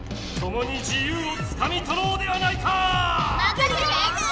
ともに自ゆうをつかみとろうではないか！